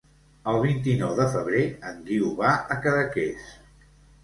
El vint-i-nou de febrer en Guiu va a Cadaqués.